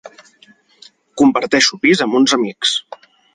Comparteixo pis amb uns amics.